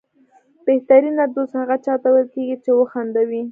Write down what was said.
بهترینه دوست هغه چاته ویل کېږي چې وخندوي.